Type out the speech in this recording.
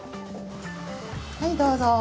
はいどうぞ。